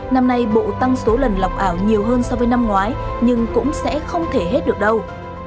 năm nay bộ tăng số lần lọc ảo nhiều hơn so với năm ngoái nhưng cũng sẽ không thể hết được đâu